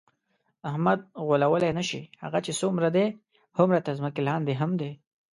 احمد غولولی نشې، هغه چې څومره دی هومره تر ځمکه لاندې هم دی.